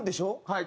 はい。